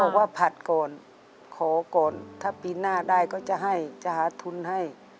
ว่าผัดก่อนขอก่อนถ้าปีหน้าได้ก็จะให้จะหาทุนให้